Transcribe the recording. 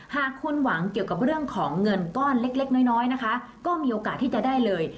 หากคุณหวังเกี่ยวกับเรื่องของเงินก้อนเล็กน้อยนะคะก็มีโอกาสที่จะได้เลย